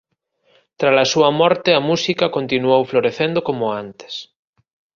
Tras a súa morte a música continuou florecendo como antes.